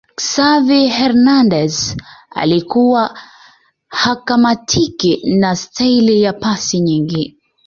xavi hernandez alikuwa hakamatiki na staili ya pasi nyingi